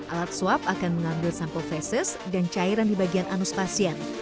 alat swab akan mengambil sampel fesis dan cairan di bagian anus pasien